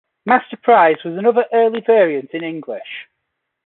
"Masterprize" was another early variant in English.